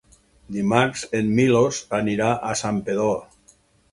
Dimarts en Milos anirà a Santpedor.